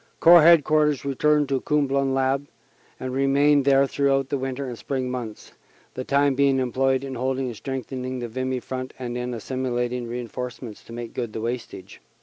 Corps Headquarters returned to Comblain 1 Abbe and remained there throughout the winter and spring months, the time being employed in holding and strengthening the Vimy front and in assimilating reinforce ments to make good the wastage.